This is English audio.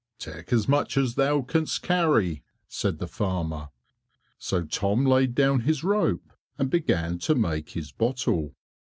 "Take as much as thou canst carry," said the farmer. So Tom laid down his rope and began to make his bottle.